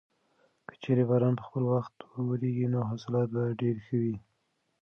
که چېرې باران په خپل وخت وورېږي نو حاصلات به ډېر ښه وي.